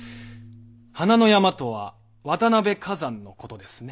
華の山とは渡辺崋山の事ですね。